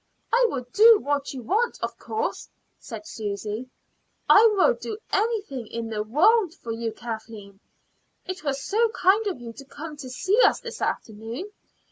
"I will do what you want, of course," said Susy. "I'd do anything in the world for you, Kathleen. It was so kind of you to come to see us this afternoon.